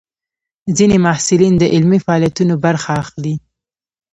ځینې محصلین د علمي فعالیتونو برخه اخلي.